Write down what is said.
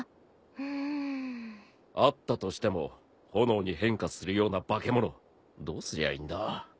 うん。あったとしても炎に変化するような化け物どうすりゃいいんだ？